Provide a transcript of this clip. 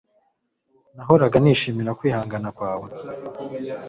Nahoraga nishimira kwihangana kwawe